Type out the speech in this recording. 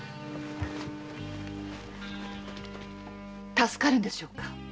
助かるんでしょうか？